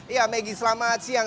ya maggie selamat siang